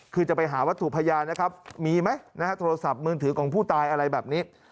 คือจะไปหาวัตถุพยานนะครับมีไหมนะฮะโทรศัพท์มือถือของผู้ตายอะไรแบบนี้